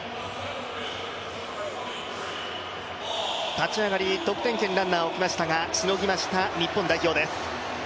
立ち上がり得点圏にランナーを置きましたがしのぎました日本代表です。